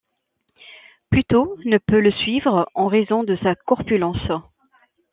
Pluto ne peut le suivre en raison de sa corpulence.